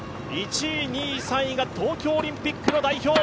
１位、２位、３位が東京オリンピックの代表。